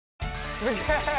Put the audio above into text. すげえ！